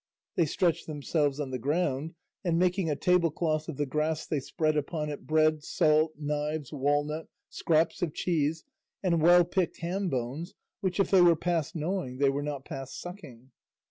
They stretched themselves on the ground, and making a tablecloth of the grass they spread upon it bread, salt, knives, walnut, scraps of cheese, and well picked ham bones which if they were past gnawing were not past sucking.